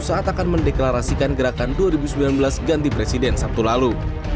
saat akan mendeklarasikan gerakan dua ribu sembilan belas ganti presiden sabtu lalu